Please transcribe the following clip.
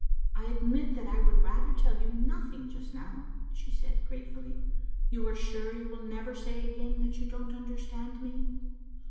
" I admit that I would rather tell you nothing just now," she said, gratefully. "You are sure you will never say again that you don't understand me?"